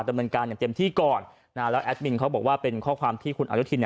ดำเนินการอย่างเต็มที่ก่อนแล้วแอดมินเขาบอกว่าเป็นข้อความที่คุณอนุทิน